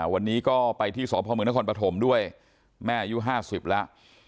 วันนี้ก็ไปที่สพมนครปฐมด้วยแม่อายุ๕๐แล้ว